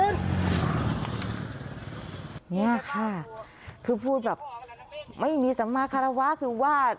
นี่ค่ะคือพูดแบบไม่มีสัมมาคารวะคือว่า